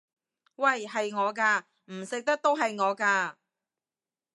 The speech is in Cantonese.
喂！係我㗎！唔食得都係我㗎！